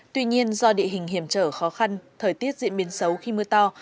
tuy nhiên do địa hình hiểm trở khó khăn thời tiết diễn biến xấu khi mưa to